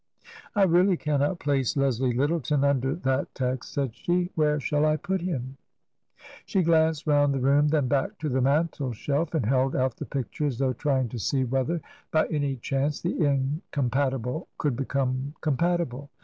"I really cannot place Leslie Lyttleton under that text," said she. " Where shall I put him T She glanced round the room, then back to the mantle* shelf, and held out the picture as though trying to see whether by any chance the incompatible could become compatible.